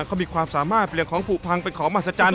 เขามีความสามารถเปลี่ยนของผูกพังเป็นของมหัศจรรย